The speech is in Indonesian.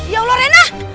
ya allah rena